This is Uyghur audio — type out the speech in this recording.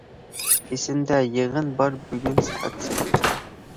ئېسىمدە، يىغىن بار بۈگۈن سائەت سەككىزدە.